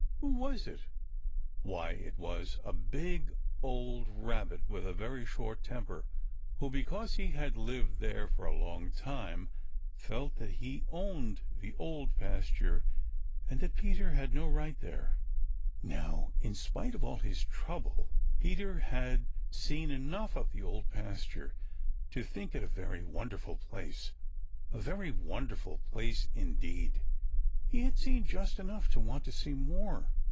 Who was it? Why, it was a great big old Rabbit with a very short temper, who, because he had lived there for a long time, felt that he owned the Old Pasture and that Peter had no right there. Now, In spite of all his trouble, Peter had seen enough of the Old Pasture to think it a very wonderful place, a very wonderful place indeed. He had seen just enough to want to see more.